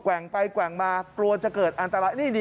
่งไปแกว่งมากลัวจะเกิดอันตราย